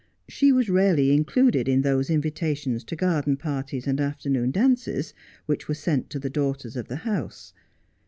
She was rarely included in those invitations to garden parties and afternoon dances which were sent to the daughters of the house.